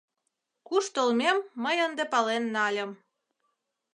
Куш толмем мый ынде пален нальым.